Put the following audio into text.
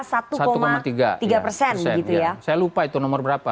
saya lupa itu nomor berapa